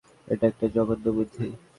এটা একটা জঘন্য বুদ্ধি।